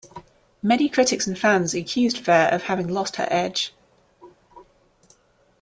Many critics and fans accused Phair of having lost her edge.